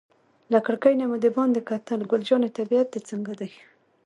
له کړکۍ نه مو دباندې کتل، ګل جانې طبیعت دې څنګه دی؟